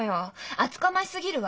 厚かましすぎるわ。